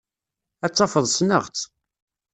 Ad tafeḍ ssneɣ-tt.